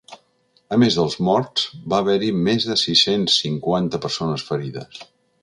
A més dels morts, va haver-hi més de sis-cents cinquanta persones ferides.